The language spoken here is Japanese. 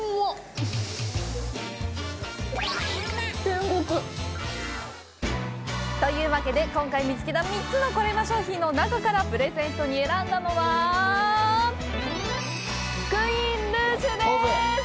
天国！というわけで、今回見つけた３つのコレうま商品の中からプレゼントに選んだのはクイーンルージュです！